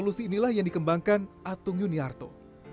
solusi inilah yang dikembangkan atung yuniarto